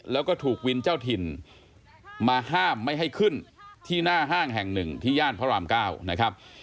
แล้วก็ถูกวินเจ้าถิ่นมาห้ามไม่ให้ขึ้นที่หน้าห้างแห่งหนึ่งที่ย่านพระราม๙นะครับ